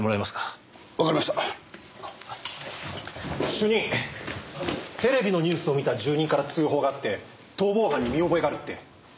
主任テレビのニュースを見た住人から通報があって逃亡犯に見覚えがあるって。